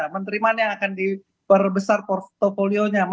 menteri mana yang akan diperbesar portfolionya